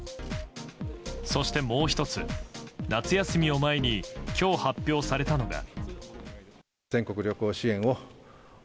そしてもう１つ、夏休みを前に今日発表されたのが。